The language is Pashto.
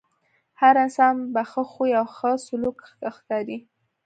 هر انسان په ښۀ خوی او ښۀ سلوک ښۀ ښکاري .